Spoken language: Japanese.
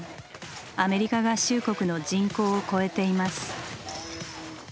アメリカ合衆国の人口を超えています。